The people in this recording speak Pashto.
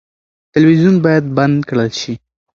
تلویزیون باید بند کړل شي.